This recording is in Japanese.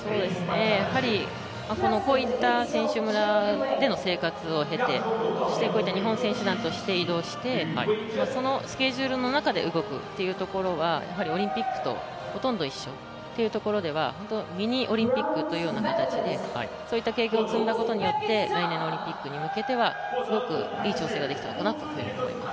やはりこういった選手村での生活を経て日本選手団として移動してそのスケジュールの中で動くというところはオリンピックとほとんど一緒というところではミニオリンピックという形で、そういった経験を積んだことによって来年のオリンピックに向けて、すごくいい調整ができたのかなと思っています。